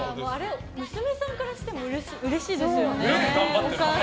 娘さんからしてもうれしいですよね。